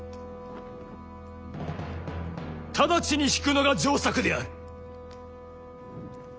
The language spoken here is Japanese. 直ちに引くのが上策である！